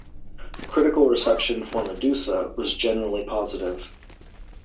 Critical reception for "Medusa" was generally positive.